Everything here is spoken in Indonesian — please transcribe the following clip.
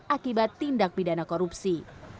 akibat tindak pidana korupsi